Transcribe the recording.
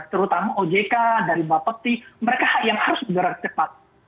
terutama ojk dari bapak pepti mereka yang harus bergerak cepat